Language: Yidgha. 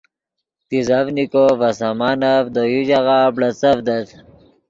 تیزڤنیکو ڤے سامانف دے یو ژاغہ بڑیڅڤدت